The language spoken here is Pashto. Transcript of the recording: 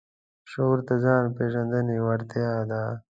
شعور د ځان د پېژندنې وړتیا ده.